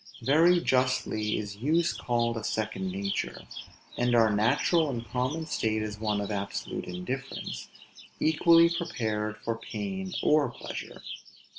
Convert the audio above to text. Very justly is use called a second nature; and our natural and common state is one of absolute indifference, equally prepared for pain or pleasure.